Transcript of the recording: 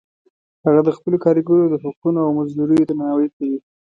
هغه د خپلو کاریګرو د حقونو او مزدوریو درناوی کوي